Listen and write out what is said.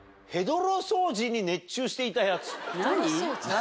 何？